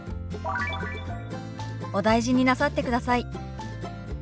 「お大事になさってください」。